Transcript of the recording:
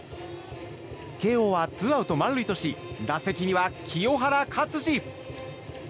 慶應はツーアウト満塁とし打席には清原勝児。